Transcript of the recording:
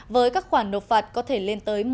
với các khoản nộp phạt có thể lên tới